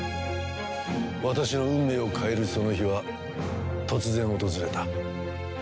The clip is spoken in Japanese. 私の運命を変えるその日は突然訪れた。